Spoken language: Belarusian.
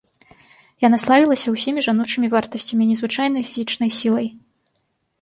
Яна славілася ўсімі жаночымі вартасцямі і незвычайнай фізічнай сілай.